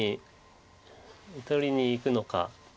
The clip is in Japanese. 取りにいくのか。